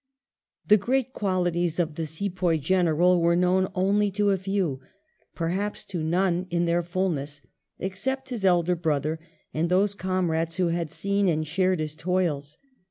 The great qualities of the "Sepoy General" were known only to a few, perhaps to none in their fulness, except his elder brother and those comrades who had seen and shared his toils.